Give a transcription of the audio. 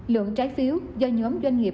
lượng trái phiếu do nhóm doanh nghiệp